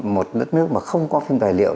một nước nước mà không có phim tài liệu